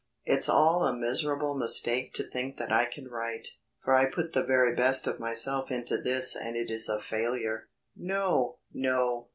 It's all a miserable mistake to think that I can write, for I put the very best of myself into this and it is a failure." "No! No!"